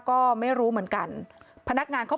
ก็ไม่รู้เหมือนกันพนักงานเขา